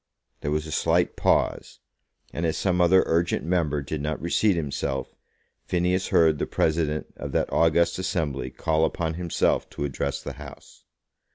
There was a slight pause, and as some other urgent member did not reseat himself, Phineas heard the president of that august assembly call upon himself to address the House.